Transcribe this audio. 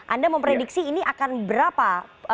anda memprediksi ini akan berapa